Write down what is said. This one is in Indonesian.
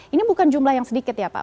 ini bukan jumlah yang sedikit ya pak